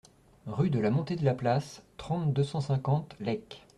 Rue de la Montée de la Place, trente, deux cent cinquante Lecques